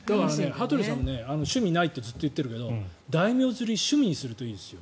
羽鳥さんも趣味がないってずっと言ってるけど大名釣り趣味にするといいですよ。